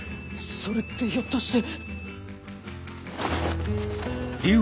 それってひょっとして。